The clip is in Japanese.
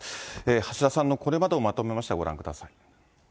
橋田さんのこれまでをまとめました、ご覧ください。